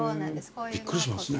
びっくりしますね。